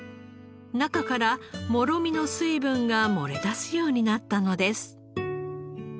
中からもろみの水分が漏れ出すようになったのです。